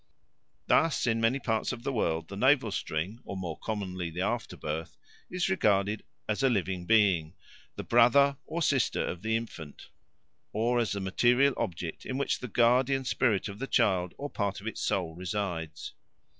Thus in many parts of the world the navel string, or more commonly the afterbirth, is regarded as a living being, the brother or sister of the infant, or as the material object in which the guardian spirit of the child or part of its soul resides.